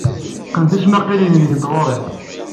Qqen tismaqqalin-nnek n tɣuri.